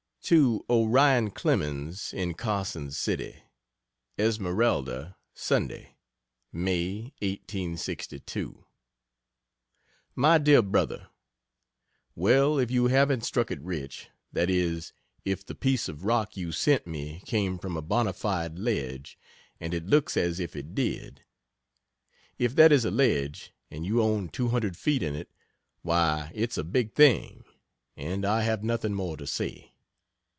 To Orion Clemens, in Carson City: ESMERALDA, Sunday, May , 1862. MY DEAR BROTHER, Well, if you haven't "struck it rich " that is, if the piece of rock you sent me came from a bona fide ledge and it looks as if it did. If that is a ledge, and you own 200 feet in it, why, it's a big thing and I have nothing more to say.